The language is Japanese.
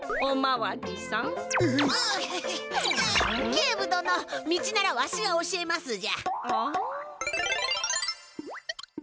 警部どの道ならわしが教えますじゃ。